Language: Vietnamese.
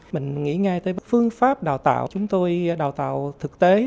mình nghĩ ngay tới phương pháp đào tạo chúng tôi đào tạo thực tế